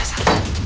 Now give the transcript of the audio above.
wah gak seru tau